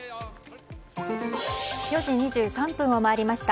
４時２３分を回りました。